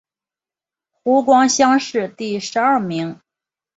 湖广乡试第十二名。